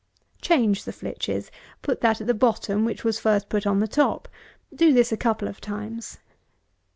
Change the flitches. Put that at bottom which was first put on the top. Do this a couple of times.